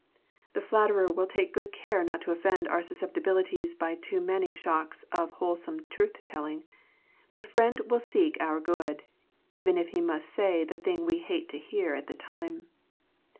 The flatterer will take good care not to offend our susceptibilities by too many shocks of wholesome truth telling; but a friend will seek our good, even if he must say the thing we hate to hear at the time.